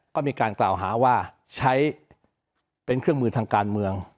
ก็มีการกล่าวหาว่าใช้เป็นเครื่องมือทางการเมือง